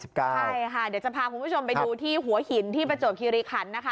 ใช่ค่ะเดี๋ยวจะพาคุณผู้ชมไปดูที่หัวหินที่ประจวบคิริขันนะคะ